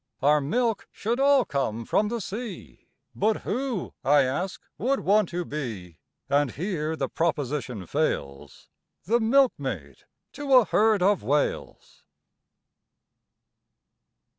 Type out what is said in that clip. Our milk should all come from the sea, But who, I ask, would want to be, And here the proposition fails, The milkmaid to a herd of Whales?